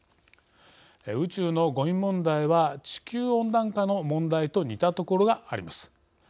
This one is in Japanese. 宇宙のごみ問題は地球温暖化の問題と似たところがあります。